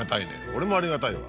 俺もありがたいわ。